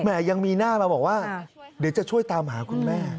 ยังมีหน้ามาบอกว่าเดี๋ยวจะช่วยตามหาคุณแม่